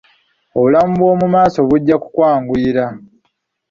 Obulamu bwo mu maaso bujja kukwanguyira.